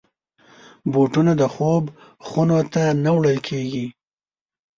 بوټونه د خوب خونو ته نه وړل کېږي.